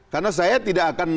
karena saya tidak akan